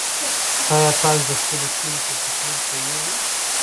ایا تاسي د خپلې سیمې په فولکلور پوهېږئ؟